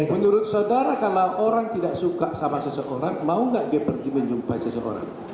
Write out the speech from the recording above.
menurut saudara kalau orang tidak suka sama seseorang mau nggak dia pergi menjumpai seseorang